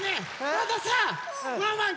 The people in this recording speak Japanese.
まださワンワン